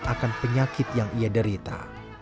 akan penyakit yang ia derita